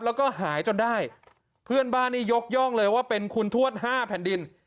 แล้วก็หายจนได้เพื่อนบ้านนี่ยกย่องเลยว่าเป็นคุณทวดห้าแผ่นดิน